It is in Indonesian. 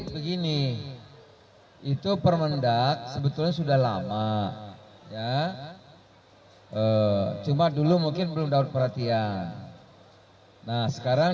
begini itu permendak sebetulnya sudah lama ya cuma dulu mungkin belum dapat perhatian nah sekarang